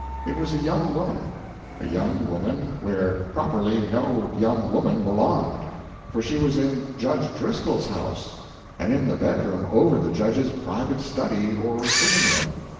It was a young woman a young woman where properly no young woman belonged; for she was in Judge Driscoll's house, and in the bedroom over the Judge's private study or sitting room.